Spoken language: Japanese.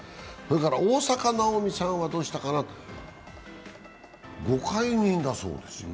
大坂なおみさんはどうしたかなご懐妊だそうですよ。